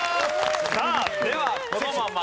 さあではこのまま。